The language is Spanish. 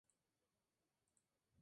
Mariposa negra